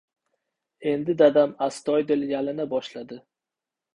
Endi dadam astoydil yalina boshladi: